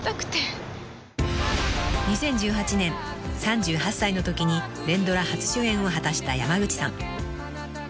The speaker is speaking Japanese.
［２０１８年３８歳のときに連ドラ初主演を果たした山口さん］